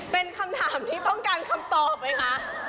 เป็นคำถามที่ต้องการคำตอบไหมคะ